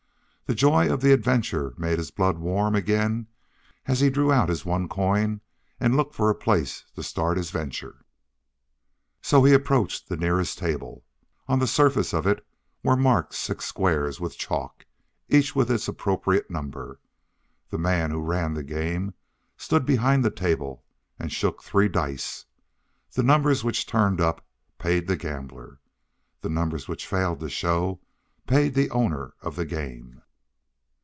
The joy of the adventure made his blood warm again as he drew out his one coin and looked for a place to start his venture. So he approached the nearest table. On the surface of it were marked six squares with chalk, and each with its appropriate number. The man who ran the game stood behind the table and shook three dice. The numbers which turned up paid the gambler. The numbers which failed to show paid the owner of the game.